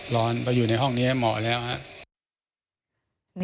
ร้อนอยู่ในห้องเมาะแล้วนะฮะ